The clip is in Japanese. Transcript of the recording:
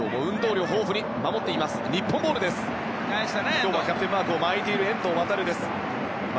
今日キャプテンマークを巻くのは遠藤航です。